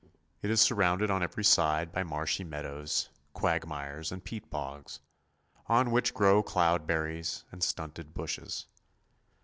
It is surrounded on every side by marshy meadows, quagmires, and peat bogs, on which grow cloud berries and stunted bushes.